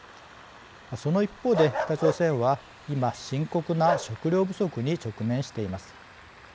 その一方で北朝鮮は、今深刻な食糧不足に直面しています。